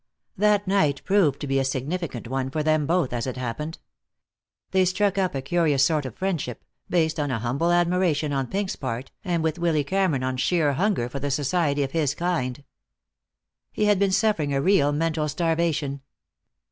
That night proved to be a significant one for them both, as it happened. They struck up a curious sort of friendship, based on a humble admiration on Pink's part, and with Willy Cameron on sheer hunger for the society of his kind. He had been suffering a real mental starvation.